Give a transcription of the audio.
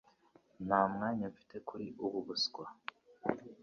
Nta mwanya mfite kuri ubu buswa